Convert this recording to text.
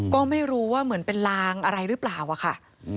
ก็ไม่รู้ว่าเหมือนเป็นลางอะไรหรือเปล่าอะค่ะ